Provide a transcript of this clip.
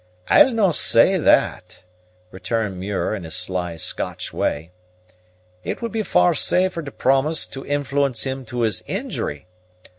"I'll no' say that," returned Muir in his sly Scotch way; "it would be far safer to promise to influence him to his injury.